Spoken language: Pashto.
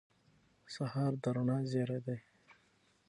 سهار د رڼا زېری دی.